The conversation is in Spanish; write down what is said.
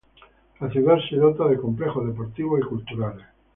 La ciudad se dota de complejos deportivos y culturales.